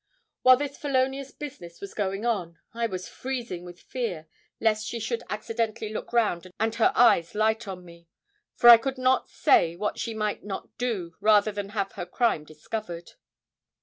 While this felonious business was going on, I was freezing with fear lest she should accidentally look round and her eyes light on me; for I could not say what she might not do rather than have her crime discovered.